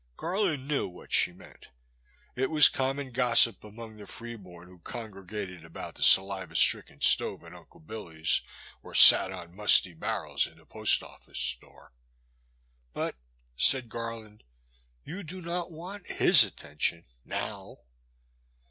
Garland knew what she meant. It was com mon gossip among the free born who congregated about the saliva stricken stove at Uncle Billy's or sat on musty barrels in the Post Office store. But," said Garland, you do not want his attention, — now.